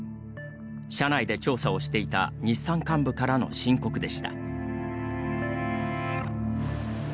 社内で調査をしていた日産幹部からの申告でした。